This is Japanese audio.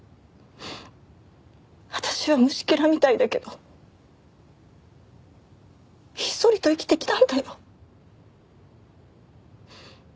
私は虫けらみたいだけどひっそりと生きてきたんだよ。